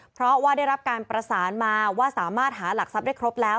เพราะว่าได้รับการประสานมาว่าสามารถหาหลักทรัพย์ได้ครบแล้ว